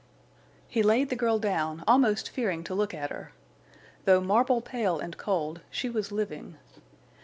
He laid the girl down, almost fearing to look at her. Though marble pale and cold, she was living.